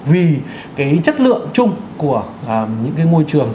vì cái chất lượng chung của những cái môi trường